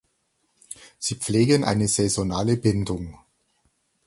Sie pflegen eine saisonale Bindung.